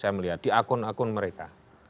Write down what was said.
saya melihat di akun akun mereka